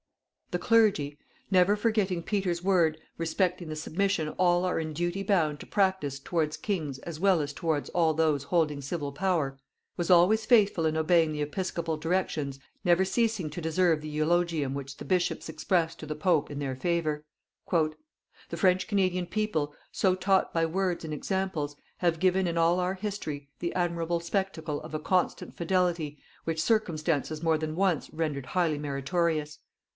The Clergy, never forgetting Peter's word respecting the submission all are in duty bound to practice towards Kings as well as towards all those holding civil power, was always faithful in obeying the Episcopal directions never ceasing to deserve the eulogium which the Bishops expressed to the Pope in their favour. "The French Canadian people, so taught by words and examples, have given in all our history the admirable spectacle of a constant fidelity which circumstances more than once rendered highly meritorious.